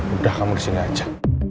udah kamu di sini aja